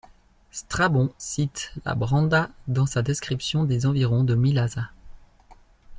Strabon cite Labranda dans sa description des environs de Mylasa.